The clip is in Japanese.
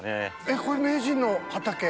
これ名人の畑？